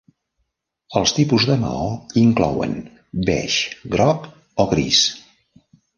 Els tipus de maó inclouen: beix, groc o gris.